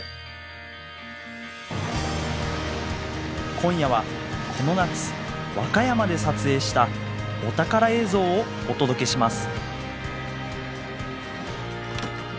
今夜はこの夏和歌山で撮影したお宝映像をお届けします。